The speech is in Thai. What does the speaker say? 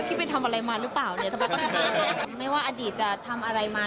พี่ไปทำอะไรมาหรือเปล่าเนี้ยทำไมไม่ว่าอดีตจะทำอะไรมา